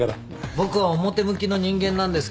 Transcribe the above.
僕は表向きの人間なんですけど。